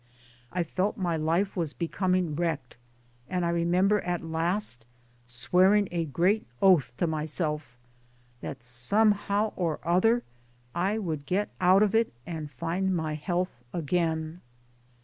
I felt my life was becoming wrecked and I remember at last swearing a great oath to myself that somehow or other I would get out of it and find my health again.